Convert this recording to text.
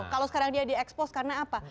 kalau sekarang dia di expose karena apa